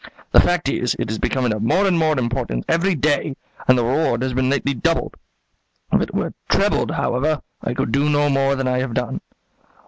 The fact is, it is becoming of more and more importance every day; and the reward has been lately doubled. If it were trebled, however, I could do no more than I have done."